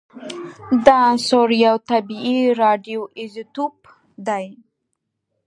دا عنصر یو طبیعي راډیو ایزوتوپ دی